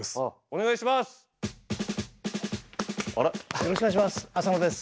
よろしくお願いします。